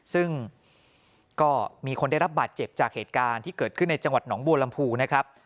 ซึ่งก็มีคนได้รับบาดเจ็บจากเหตุการณ์ที่เกิดขึ้นในจังหวัดหนองบัวลำพูนะครับ